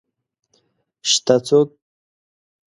شته څوک؟